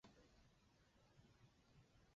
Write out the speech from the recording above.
于八月至九月初展开连胜佳绩。